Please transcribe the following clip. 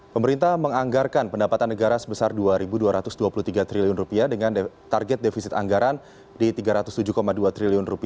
pemerintah menganggarkan pendapatan negara sebesar rp dua dua ratus dua puluh tiga triliun dengan target defisit anggaran di rp tiga ratus tujuh dua triliun